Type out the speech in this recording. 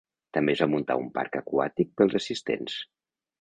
També es va muntar un parc aquàtic pels assistents.